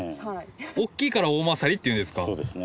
おっきいからおおまさりって言うんですか？